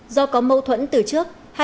do có mâu thuẫn từ trước